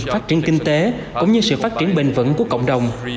phát triển kinh tế cũng như sự phát triển bền vững của cộng đồng